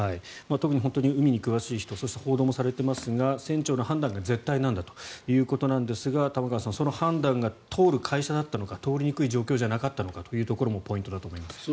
特に海に詳しい人そして報道もされていますが船長の判断が絶対なんだということなんですが玉川さんその判断が通る会社だったのか通りにくい状況じゃなかったのかということもポイントだと思いますが。